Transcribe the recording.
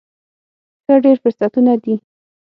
ښه، ډیر فرصتونه دي